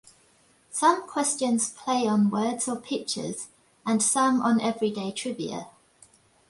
Some questions play on words or pictures and some on everyday trivia.